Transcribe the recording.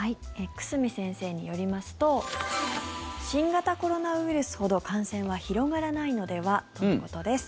久住先生によりますと新型コロナウイルスほど感染は広がらないのではとのことです。